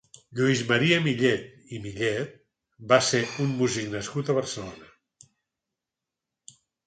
Lluís Maria Millet i Millet va ser un músic nascut a Barcelona.